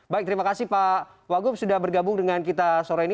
baik terima kasih pak wagub sudah bergabung dengan kita sore ini